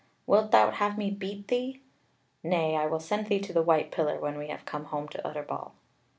Wilt thou have me beat thee? Nay, I will send thee to the White Pillar when we come home to Utterbol."